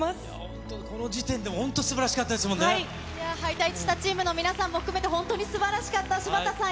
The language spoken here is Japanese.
本当、この時点でも、本当、いやぁ、敗退したチームの皆さんも含めて、本当にすばらしかった。